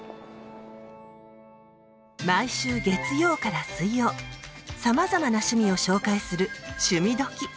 毎週月曜から水曜さまざまな趣味を紹介する「趣味どきっ！」。